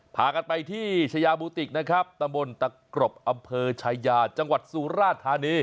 พากันไปที่ชายาบูติกนะครับตำบลตะกรบอำเภอชายาจังหวัดสุราธานี